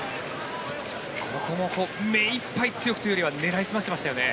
ここも目いっぱい強くというよりは狙い澄ましてましたよね。